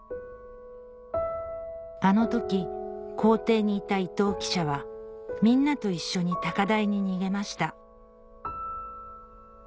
あの時校庭にいた伊藤記者はみんなと一緒に高台に逃げました